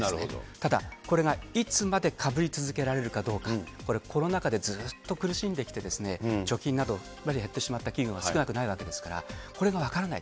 ただ、これがいつまでかぶり続けられるかどうか、これ、コロナ禍でずっと苦しんできて、貯金など減ってしまった企業が少なくないわけですから、これが分からない。